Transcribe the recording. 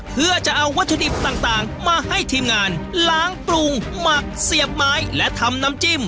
เพื่อจะเอาวัตถุดิบต่างมาให้ทีมงานล้างปรุงหมักเสียบไม้และทำน้ำจิ้ม